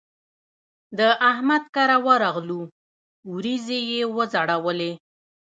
د احمد کره ورغلوو؛ وريځې يې وځړولې.